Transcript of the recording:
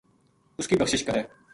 اس کی بخشش کرے